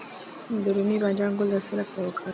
د رومي بانجان ګل د څه لپاره وکاروم؟